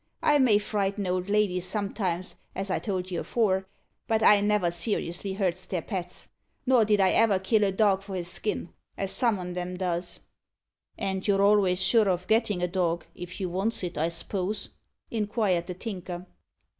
I may frighten old ladies sometimes, as I told you afore, but I never seriously hurts their pets. Nor did I ever kill a dog for his skin, as some on 'em does." "And you're always sure o' gettin' a dog, if you vants it, I s'pose?" inquired the Tinker.